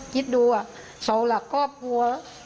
คิดดูเสาหลักครอบครัว